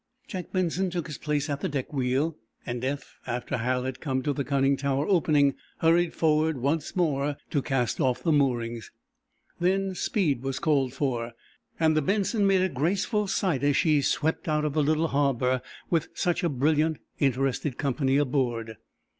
Jack Benson took his place at the deck wheel, and Eph, after Hal had come to the conning tower opening, hurried forward once more to cast off the moorings. Then speed was called for, and the "Benson" made a graceful sight as she swept out of the little harbor with such a brilliant, interested company aboard.